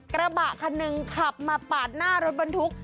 กระบะคันหนึ่งขับมาปาดหน้ารถบรรทุก